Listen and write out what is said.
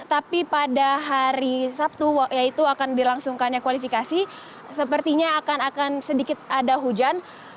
tapi pada hari sabtu yaitu akan dilangsungkannya kualifikasi sepertinya akan sedikit ada hujan